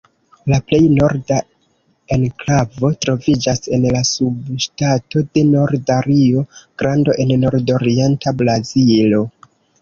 La plej norda enklavo troviĝas en la subŝtato de Norda Rio-Grando en nordorienta Brazilo.